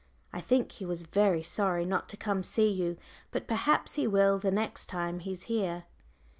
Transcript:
"I think he was very sorry not to come to see you, but perhaps he will the next time he's here."